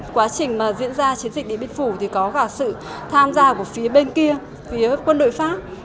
quá trình mà diễn ra chiến dịch điện biên phủ thì có cả sự tham gia của phía bên kia phía quân đội pháp